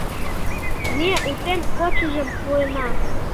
— Ме утен кодшыжым пуэна.